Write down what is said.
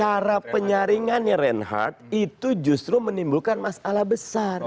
cara penyaringannya reinhardt itu justru menimbulkan masalah besar